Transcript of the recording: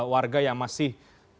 warga yang masih